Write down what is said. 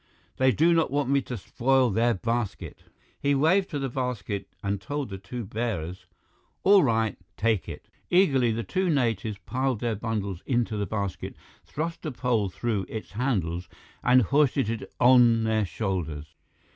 "They do not want me to spoil their basket." He waved to the basket and told the two bearers, "All right, take it." Eagerly, the two natives piled their bundles into the basket, thrust the pole through its handles and hoisted it on their shoulders.